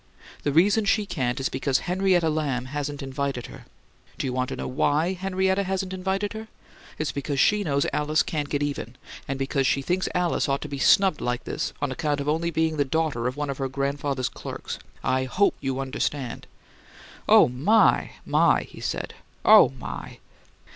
The reason she can't is because Henrietta Lamb hasn't invited her. Do you want to know why Henrietta hasn't invited her? It's because she knows Alice can't get even, and because she thinks Alice ought to be snubbed like this on account of only being the daughter of one of her grandfather's clerks. I HOPE you understand!" "Oh, my, my!" he said. "OH, my, my!"